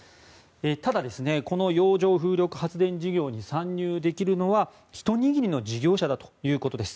ただ、この洋上風力発電事業に参入できるのはひと握りの事業者だということです。